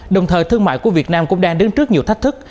đồng thời thương mại của việt nam cũng đang đứng trước nhiều thách thức